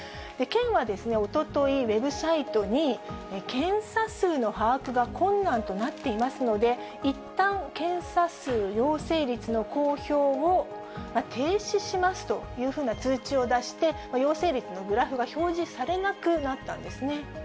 県はおととい、ウェブサイトに、検査数の把握が困難となっていますので、いったん検査数、陽性率の公表を停止しますというふうな通知を出して、陽性率のグラフが表示されなくなったんですね。